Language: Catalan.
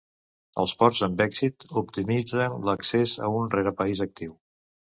Els ports amb èxit optimitzen l’accés a un rerepaís actiu.